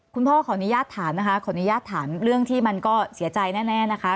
ขออนุญาตถามนะคะขออนุญาตถามเรื่องที่มันก็เสียใจแน่นะคะ